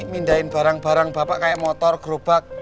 mindahin barang barang bapak kayak motor gerobak